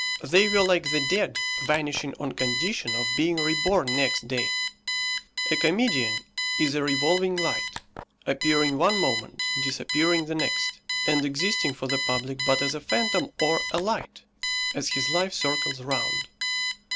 They were like the dead, vanishing on condition of being reborn next day. A comedian is a revolving light, appearing one moment, disappearing the next, and existing for the public but as a phantom or a light, as his life circles round.